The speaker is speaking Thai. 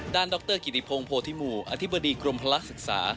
ดรกิติพงศ์โพธิหมู่อธิบดีกรมพลักษึกษา